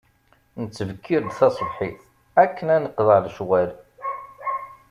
Nettbekkir-d tasebḥit, akken ad neqḍeɛ lecɣal.